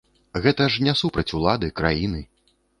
Гэта ж не супраць улады, краіны.